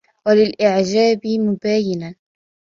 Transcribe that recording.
وَلِلْإِعْجَابِ مُبَايِنًا